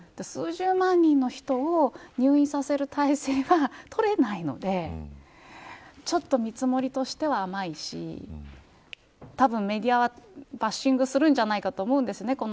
数十万人の人を入院させる体制はとれないのでちょっと見積もりとしては甘いしたぶんメディアはバッシングするんじゃないかと思うんですね。